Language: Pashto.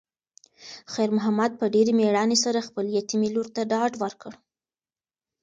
خیر محمد په ډېرې مېړانې سره خپلې یتیمې لور ته ډاډ ورکړ.